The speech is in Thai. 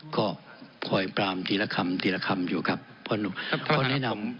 ก็คอยปรามทีละคำทีละคำอยู่ครับเพราะแนะนำ